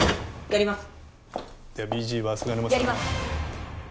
やります！